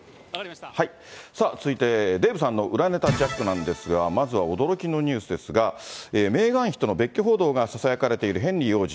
さあ、続いてデーブさんの裏ネタジャックなんですが、まずは驚きのニュースですが、メーガン妃との別居報道がささやかれているヘンリー王子。